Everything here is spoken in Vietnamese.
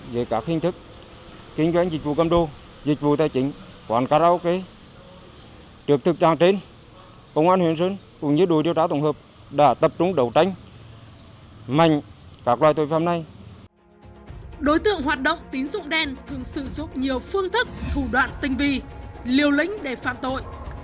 đối tượng hoạt động tín dụng đen thường sử dụng nhiều phương thức thủ đoạn tinh vi liều lĩnh để phạm tội